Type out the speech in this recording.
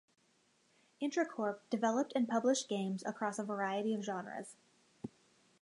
IntraCorp developed and published games across a variety of genres.